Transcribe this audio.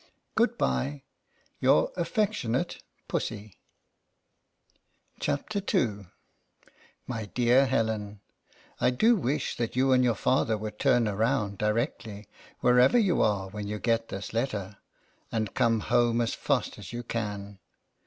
Good by. Your affectionate PUSSY. II. MY DEAR HELEN: I do wish that you and your father would turn around directly, wherever you are, when you get this letter, and come home as fast as you can.